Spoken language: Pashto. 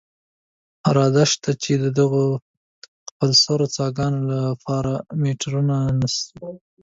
اراده شته، چې دغو خپلسرو څاګانو له پاره میټرونه نصب.